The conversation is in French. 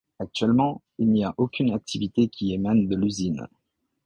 Actuellement, il n'y a aucune activité qui émane de l'usine.